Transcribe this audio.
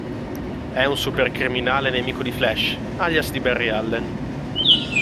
È un supercriminale nemico di Flash, alias di Barry Allen.